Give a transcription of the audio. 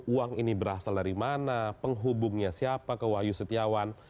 uang ini berasal dari mana penghubungnya siapa ke wahyu setiawan